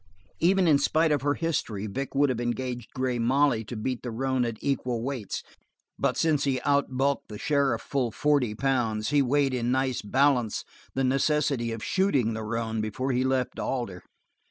Even in spite of her history Vic would have engaged Grey Molly to beat the roan at equal weights, but since he outbulked the sheriff full forty pounds, he weighed in nice balance the necessity of shooting the roan before he left Alder.